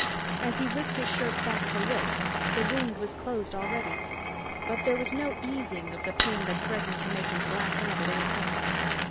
As he ripped his shirt back to look, the wound was closed already. But there was no easing of the pain that threatened to make him black out at any second.